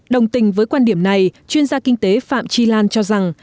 đồng tình với quan điểm này chuyên gia kinh tế phạm chi lan cho rằng